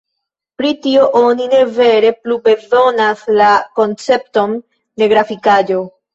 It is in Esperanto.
Pri tio oni ne vere plu bezonas la koncepton de grafikaĵo.